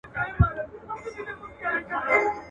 تاريخي خواړه په لوښو کې ګرمول کېدل.